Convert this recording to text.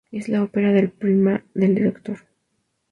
Es la ópera prima del director.